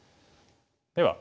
では